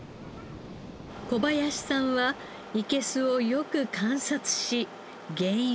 小林さんはいけすをよく観察し原因を探りました。